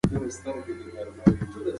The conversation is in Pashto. انا غواړي چې دا ځل خپل لمونځ په سکون وکړي.